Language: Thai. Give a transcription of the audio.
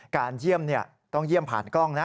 การเยี่ยมต้องเยี่ยมผ่านกล้องนะ